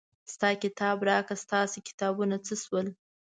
ستا کتاب راکړه ستاسې کتابونه څه شول.